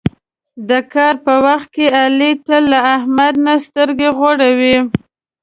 د کار په وخت کې علي تل له احمد نه سترګې غړوي.